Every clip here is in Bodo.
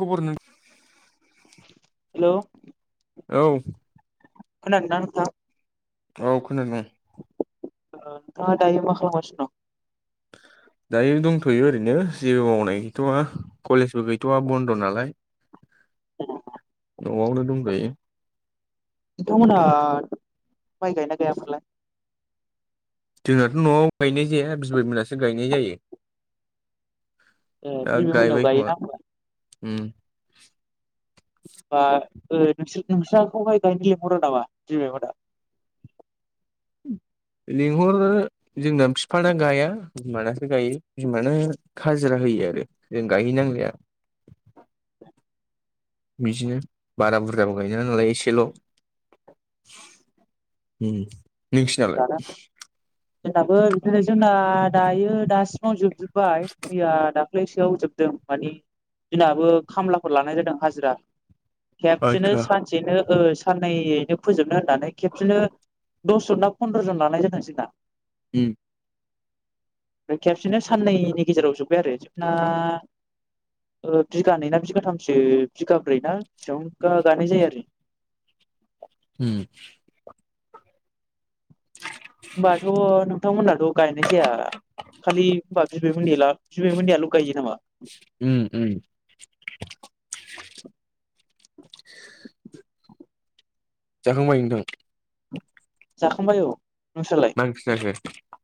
खबर नों। हेलौ औ। खोनादोंना नोंथा? औ खोनादोंं। नोंथां दायो माखालामगासिनो दं? दायो दंथ'यो ओरैनो जेबो मावनाय गैथया। कलेजबो गैथ'वा बन्द' नालाय। न'आवनो दंथयो। नोंथांमोना माइ गायना मोनलाय। जोंनाथ' न'आव गायनाय जाया बिबोय मोनासो गायनाय जायो। ए दा दिनै मोननियाव गायबाय खोमा। गायोना होमबा बा नोंसाराखौहाय गायनो लेंहरो नामा बिबोय मोनहा। लेंंहरो जोंना बिफाना गाया बिमानासो गायो बिमानासो गायो। खाजिरा होयो आरो जों गायहैनांलाया। बिदिनो बारा बुरजाबो गायनाय नालाय एसेल'। नों सिनालाय। दाना जोंनाबो जै जोंना दायो दासिमाव जोबजोब्बाय मैया दाख्लैसो। खायाव जोबदों मान दिनहाबो खामलाफोर लानाय जादों हाजिरा। खेबसेनो आदसा सानसेनो साननैैनो फोजोबनो होननानै खेबसेनो। दसजन बा पन्द्र' जन लानाय जादों दा। उ। ओमफ्राय खेबसेनो साननैनि गेजेराव जोब्बाय आरो जोंना। बिघानै ना बिगाथामसो बिगाब्रै ना बेसेबां गानाय जायो आरो। उम होमबाथ' नोंथांमोनहाथ' गायनाय जाया खालि हब। सनि ला सबिनि आलु गायो नामा। उ उम जाखांबाय नोंथां? जाखांबाय औ नोंस्रालाय। [inaudible]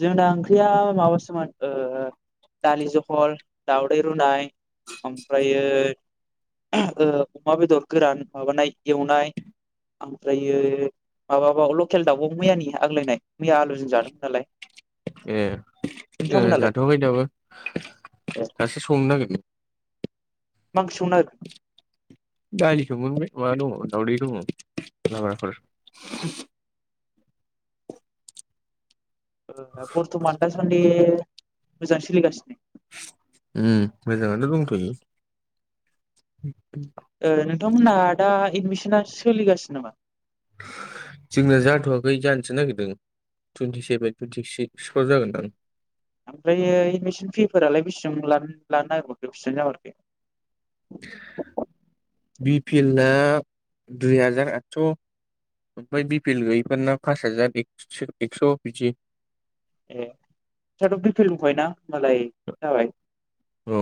जोंना ओंख्रिया माबासोमोन ओ दालि जहल दावदै रुनाय ओमफ्रायो अमा बेदर गोरान माबानाय एवनाय ओमफ्रायो। माबाबाव लकेल दाउआव मैयानि आग्लायनाय मैया आलुजों जादोंमोन नालाय। ए नोंथांमोनालाय जाथ'बाय दाबो दासो संनो नागिरदों। मा ओंख्रि संनो नागिरखो दालिखौ मोनबाय मा दङ दावउदै दङ लाब्राफोर बर्थ'मान दासान्दि मोजां सोलिगासिनो। उ मोजाङानो' दंथ'यो। ओ नोंथांमोनहा दा एडमिसना सोलिगासिनो नामा? जोंना जाथ'वाखै जानोसो नागिरदों। टुइनटि सेभन बाय टुइन्टिक्सप्राव जागोन दां। ओमफ्रायो एडमिसन फिसफोरालाय बेसिबां लानो नागिरबखो बेसेबां जामारखो? बि पिएलआ दुइ हाजार आदस'। ओमफ्राय बि पि एल गैयैफोर ना पास हाजार एक्स' बिदि ए नोंसाथ' बिफि एल दंखायोना होनोमबालाय जाबाय। औ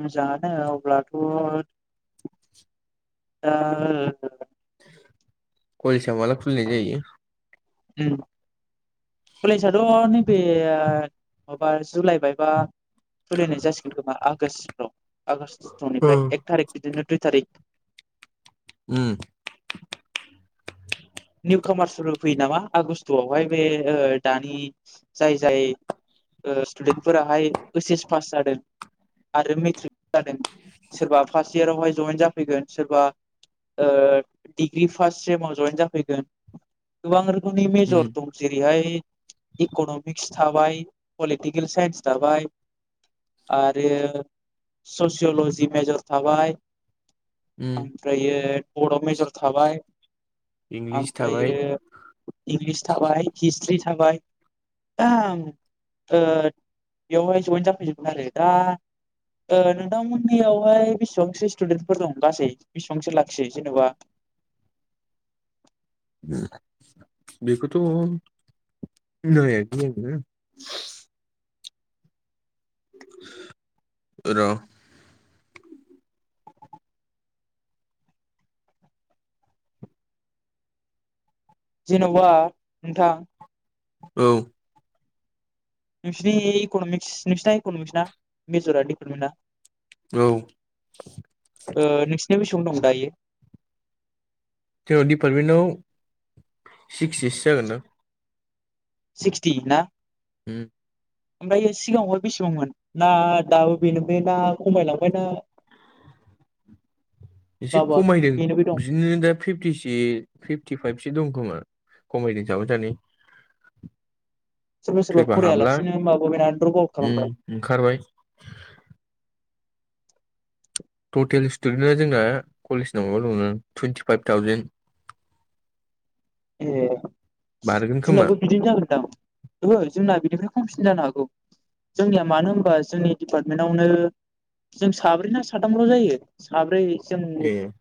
मोजाङानो अब्लाथ'। दा गलसआ मला फुुलि जायो। उ कलेजथ' नैबे माबा जुलाइबायबा खुलिनाय जासिगोन खोमा आगष्ट औ आगष्टनिफ्राय एक थारिख बिदिनो दुइ थारिख उम निउ कामार्सफोरबो फैयो नामा आगस्ट'आवहाय बे दानि जाय जाय ओ स्टुडेन्ट फोराहाय ओइस एस पास जादों। आरो मेट्रिक जादों सोरबा फार्स्ट इयारावहाय जयेन जाफैगोन सोरबा डिग्रि फार्स्ट सेमाव जयेन जाफैगोन गोबां रोखोमनि उम मेजर दं। जेरैहाय इक'नमिक्स थाबाय पलिटिकेल साइन्स थाबाय आरो ससियल'जि मेजर थाबाय। उम ओमफ्रायो बरआव मेजर थाबाय। इंलिस थाबाय ओमफ्रायो इंलिस थाबाय हिस्ट्रि थाबाय। ओम ओ बेवहाय जइेन जाफैजोबमोन आरोै दा नोंथांमोननियावहाय बेसेबांसो स्टुडेन्टफोर दं गासै बेसेबांसो लाखियोै जेन'बा। बेखौथ' [unintelligible] र जेन'बा नोंथां। औ नोंसिनि इक'नमिक्स नोंसिना इक'नमिसना मेजरा डिपार्टमेन्टआ। औ नोंसिना बेसेबां दं दायो? जोंनाव डिपार्टमेन्टाव सिक्सटिसो जागोन दां। सिक्सटि ना। उम ओमफ्रायो सिगाङावहाय बेसेबांमोन? ना दाबो बेनो ना खमायलांबायना एसे माबा खमायदों। बेनो बे दं बिदिनो दा फिफ्टिसि फिफ्टिफाइभसो दं खोमा खमायदों साफा सानै। सोरबा सोरबा फरायालासिनो होमबाबो बेना द्रप आउट खालामबाय उम ओंखारबाय टटेल स्टुडेन्टआ जोंना कलेजनाव माबा दं टुइेन्टिफाइभ थावजेनन। ए बारगोन खोमा जोंनाबो बिदिनो जागोनदां। ओहो जोंना बिनिफ्राय खमसिन जानो हागौ जोंनिया मानो होनबा जोंनि डिपार्टमेन्टावनो जों साब्रै ना साथामल' जायो साब्रै जों ए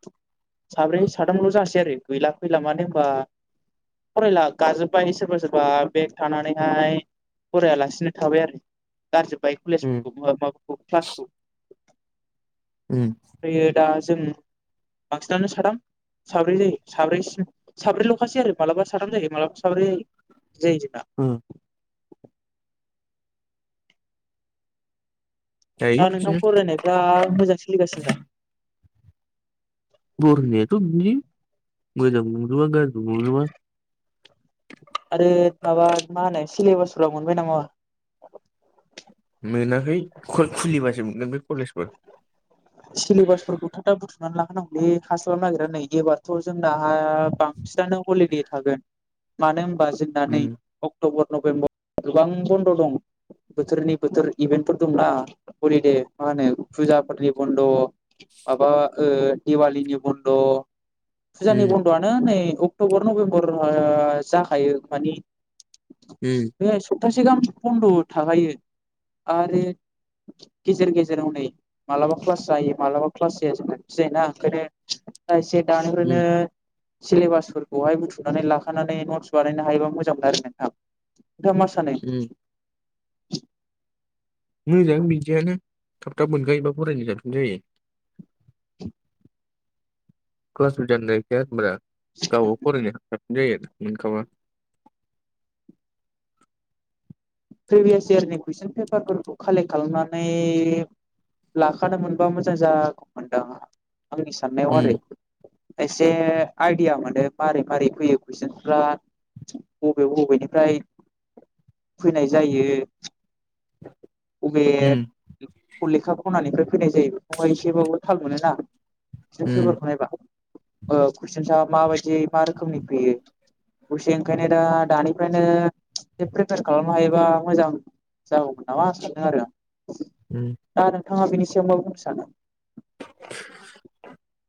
साब्रै साथामल' जानोासै आरो गैला फैला मानो होनबा फरायला गाजोब्बाय सोरबा सोरबा बेग थानानैहाय फरायालासिनो थाबाय आरो। गारजोब्बाय उम कलेजफोरखौ मा-माबाखौ क्लासखौ। उम ओमायो दा जों बांसिनानो साथाम साब्रै जायो साब्रैसिम साब्रैल' पास यारजों मालाबा साथाम जायो मालाबा साब्रै जायो इदि जायो जोंना। ओम दायो दा नोंथां बिदिनो फरायनायफ्रा मोजां सोलिगासिनो दा? फरायनायाथ' बिदिनो मोजांबो नंजोबा गाज्रिबो नंजोबा। आरो माबा मा होनो सेलेबासफोराव मोनबाय नामा? मोनाखै खु-खुलिबासो मोनगोन बे कलेजफोर सिलेबासफोरखौ थाब थाब बुथुमनानै लाखानांगौलै हास्लाबनो नागिरा नै एबारथ' जोंनाहा बां बिसिनानो हलिडे थागोन मानो होनबा जोंना नै उम अक्ट'बर नभेम्बर गोबां बन्द' दं। बोथोरनि बोथोर इभेन्टफोर दंना हलिदे मा होनो फुजाफोरनि बन्द' माबा ओ दिवालीनि बन्द' फुजानि उम बन्द'आनो हो नै अक्ट'बर नभेम्बर ओ जाखायो मानि उम बे सप्तासे गाहामसो बन्द' थाखायो आरो गेजेर गेजेर हनै मालाबा क्लास जायो मालाबा क्लास जाया जोंना बिदि जायोना ओंखायनो दा एसे उम दानिफ्रायनो सिलेबासफोरखौहाय बुथुमनानै लाखानानै नटस बानायनो हायोबा मोजांमोन आरो नोंथां। नोंथाङा मा सानो? उम मोजां बिदियानो थाब थाब मोनखायोबा फरायनो साबसिन जायो। क्लास जानो नागिरखाया होनब्ला गावबो फरायनो हाबसिन जायो आरो मोनखाबा। प्रिभियास इयारनि कुइसन पेपारफोरखौ कालेक्ट खालामनानै लाखानो मोनबा मोजां जागौमोनदां आ-आंनि साननायाव उम आरो। एसे आइदिया मोनो मारै मारै फैयो कुइसनफ्रा। बबे बबेनिफ्राय फैनाय जायो अबे उम लेखा खनानिफ्राय फैनाय जायो बेखौहाय एसेबाबो थाल मोनोना। कुइसन्स पेपार उम खौ नायबा ओ कुइसन्सा माबायदि मा रोखोमनि फैयो दसे ओंखायनो दा दानिफ्रायनो ए प्रिपेयार खालामनो हायोबा मोजां। जागौमोन नामा सान्दों आरो। उम दा नोंथाङा बिनि सायाव मा बुंनो सानो।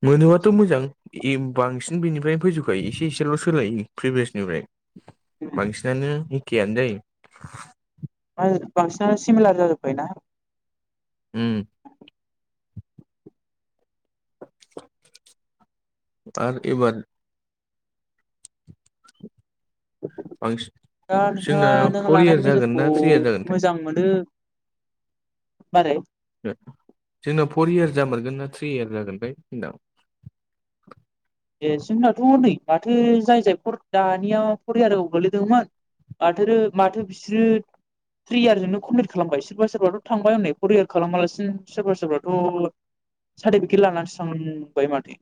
मोनोबाथ' मोजां। ए बांसिन बेनिफ्रायनो फैजोबखायो एसे एसेल' सोलायो प्रिभियासनिफ्राय। बांसिनानो एकेयानो जायो। मा होनो बांसिनानो सिमिलार जाजोब्बाय ना। उम आरो एबार बांसिन दा जोंना नोंथाङा नों फर लानाय इयार जागोन ना मेजरखौ थ्रि इयार जागोनथाय मोजां मोनो मारै? जोंना फर इयार जामारगोन ना थ्रि इयार जागोनथाय होन्दों। ए जोंनाथ' नै माथो जाय जाय फर दानिया फरियाव गोलैदोंमोन माथोरो माथो बिसोरो थ्रि इयारजोंनो कमप्लिट खालामबाय सोरबा सोरबाथ' थांबाय हनै फर इयार खालामालासिनो सोरबा सोरबाथ' सार्टिफिकेट लानानानैसो थांबाय माथो।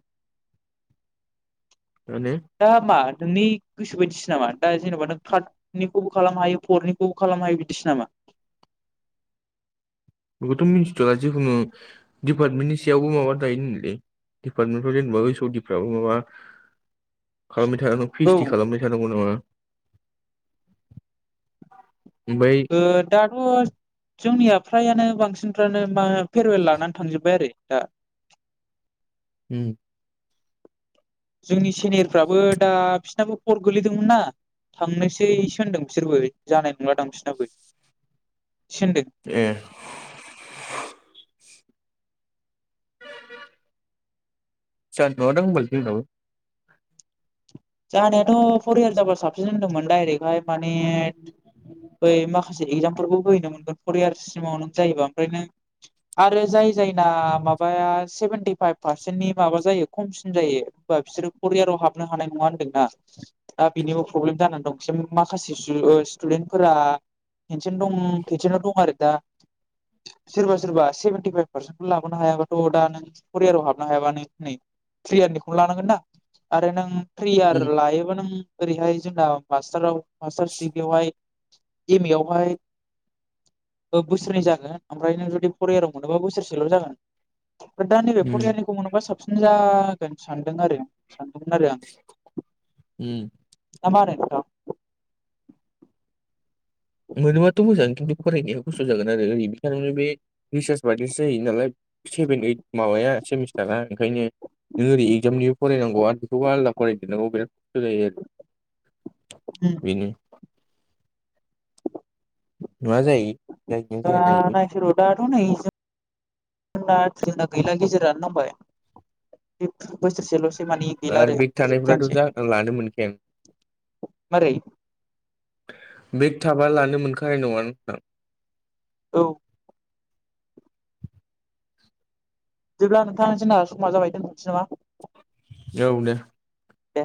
जानो दा मा नोंनि गोसो बायदिसो नामा दा जेनेबा नों थार्ड निखौबो खालामनो हायो फरनिखौबो खालामनो हायो बिदिसो नामा? बेखौथ' मिथिथया जिखुनु डिपार्टमेन्टनि सायावबो माबा दायो नोंलै डिपार्टमेन्टफ्राव जेनेबा ओसडिफ्राबो माबा खालामबाय [unintelligible] औ पिसटि खालामबाय थानांगौ नामा ओमफ्राय ओ दाथ' जोंनिया फ्रायानो बांसिनफ्रानो मा फेरवेल लानानै थांजोब्बाय आरो दा उम जोंनि सेनियरफ्राबो दा बिसोरनाबो खर गोलैदोंमोन ना थांनोसैसो होनदों बिसोरबो जानाय नंलादां बिसोरनाबो होनदों सोनदों ए जानाय नङादां होनबालाय जोंनाबो जानायाथ' पर इयार जाबा साबसिन होनदोंमोन डायरेक्हाय माने बै माखासे एगजामफोरबो होहैनो मोनगोन फर इयार्स सिमाव नों जायोबा ओमफ्राय नों आरो जाय जायना माबाया सेभेनटिफाइभ पारसेन्टनि माबा जायो खमसिन जायो बा बिसोर करियाराव हाबनो हानाय नङा आरो ना दा बेनिबो प्रब्लेम जानानै दं माखासे स्टुडेन्टफोरा खेसेन दं खिसेनाव दं आरो दा सोरबा सोरबा सेभेन्टिफाइभ पारसेन्ट लाबोनो हायाबाथ' दानो फर इयाराव हाबनो हायाबा नों नै थ्रि इयारनिखौनो लानांगोन ना आरो नों थ्रियार उम लायोबा नों ओरैहाय जोंना मास्टाराव मास्टारस डिग्रियावहाय एम ए आवहाय बोसोरनै जागोन ओमफ्राय नों जुदि फर इयाराव मोनोबा बोसोरसेल' जागोन। दा नैबे फर उम इयारनिखौ मोनोबा साबसिन जागोन सानदों आरो सानदोंमोन आरो आं उम नाबाराय नोंथां मोनोबाथ' मोजां खिन्थु फरायनाया खस्थ' जागोन आरो ओरै बिथांनावनो बे रिसार्च बायदिसो जायो नालाय सेभेन ओइद माबाया सेमिस्टारा ओंखायनो नों ओरै एगजामनि फरायनांगौ आरो बेखौबो आलदा फरायदेरनांगौ बिराद खस्थ' जायो आरो। उम बेनो मा जायो जायोना [unintelligible] जाया नायसै दाथ' नै जोंना गैला गेजेरानो नांबाय बोसोरसेल' आरो बेक थानायफ्राथ' जा लानो मारै मोनखाया बेग थाबा लानो मोनखानाय नङा नोंथां औ जेब्ला नोंथां जोंना सम जाबाय दोनथ'सै नामा? औ दे दे